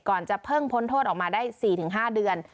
จะเพิ่งพ้นโทษออกมาได้๔๕เดือน